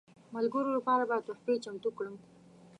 ملګرو لپاره به تحفې چمتو کړم.